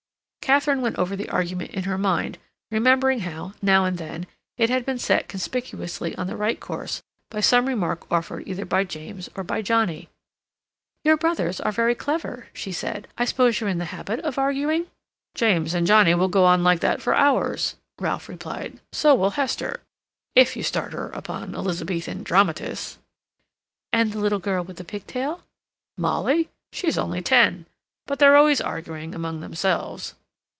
Katharine went over the argument in her mind, remembering how, now and then, it had been set conspicuously on the right course by some remark offered either by James or by Johnnie. "Your brothers are very clever," she said. "I suppose you're in the habit of arguing?" "James and Johnnie will go on like that for hours," Ralph replied. "So will Hester, if you start her upon Elizabethan dramatists." "And the little girl with the pigtail?" "Molly? She's only ten. But they're always arguing among themselves."